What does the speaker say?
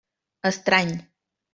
Estrany.